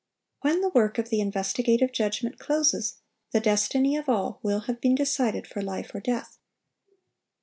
(874) When the work of the investigative judgment closes, the destiny of all will have been decided for life or death.